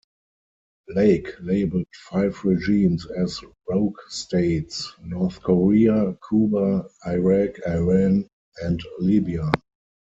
Lake labeled five regimes as "rogue states": North Korea, Cuba, Iraq, Iran and Libya.